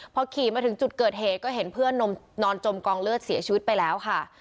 พอขี่มาถึงจุดเกิดเหตุก็เห็นเพื่อนนอนจมกองเลือดเสียชีวิตไปแล้วค่ะ